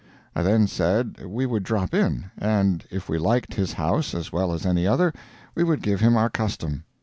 I then said we would drop in, and if we liked his house as well as any other, we would give him our custom.